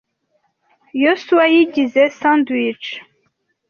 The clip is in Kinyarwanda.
Yosuwa yigize sandwich.